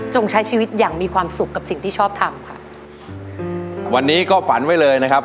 ใช้ชีวิตอย่างมีความสุขกับสิ่งที่ชอบทำค่ะอืมวันนี้ก็ฝันไว้เลยนะครับ